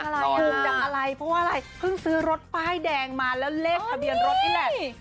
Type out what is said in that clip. ถูกจากอะไรเพราะว่าอะไรเพิ่งซื้อรถป้ายแดงมาแล้วเลขทะเบียนรถนี่แหละ